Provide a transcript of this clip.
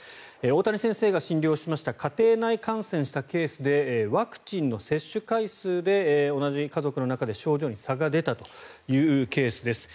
大谷先生が診療しました家庭内感染したケースでワクチンの接種回数で同じ家族の中で症状に差が出たというケースです。